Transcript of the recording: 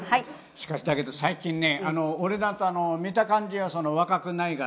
しかしだけど最近ね俺だと見た感じは若くないから。